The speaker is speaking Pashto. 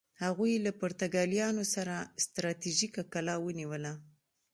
هغوی له پرتګالیانو یوه ستراتیژیکه کلا ونیوله.